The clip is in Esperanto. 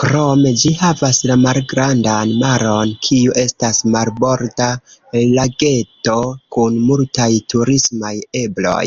Krome ĝi havas la Malgrandan Maron, kiu estas marborda lageto kun multaj turismaj ebloj.